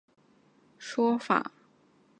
学界对于探马赤军的解释有许多说法。